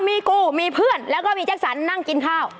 มีกูมีเพื่อนแล้วก็มีแจ็คสันนั่งกินข้าว